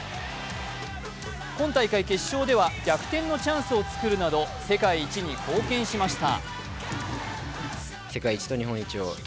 今大会決勝では逆転のチャンスを作るなど世界一に貢献しました。